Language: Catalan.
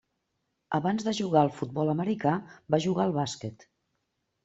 Abans de jugar al futbol americà, va jugar al bàsquet.